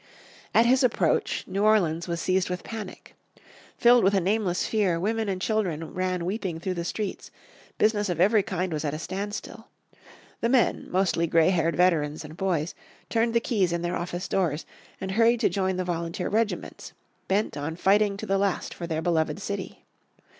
At his approach, New Orleans was seized with panic. Filled with a nameless fear women and children ran weeping through the streets, business of every kind was at a standstill. The men, mostly grey haired veterans and boys, turned the keys in their office doors, and hurried to join the volunteer regiments, bent on fighting to the last for their beloved city.